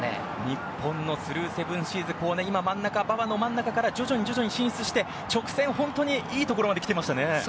日本のスルーセブンシーズ馬場の真ん中から徐々に進出して直線いい所まで来ていましたね。